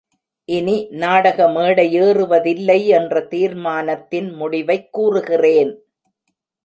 இனி நாடக மேடையேறுவதில்லை என்ற தீர்மானத்தின் முடிவைக் கூறுகிறேன்.